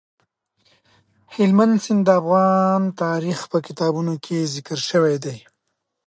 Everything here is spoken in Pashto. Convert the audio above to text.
هلمند سیند د افغان تاریخ په کتابونو کې ذکر شوی دي.